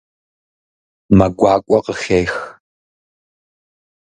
Мэ гуакӏуэ къыхех.